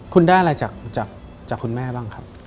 คุณได้อะไรจากคุณแม่บ้างครับ